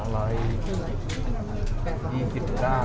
ก็๓๐ปี